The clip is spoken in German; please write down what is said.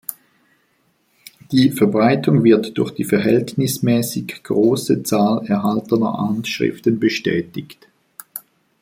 Die Verbreitung wird durch die verhältnismäßig große Zahl erhaltener Handschriften bestätigt.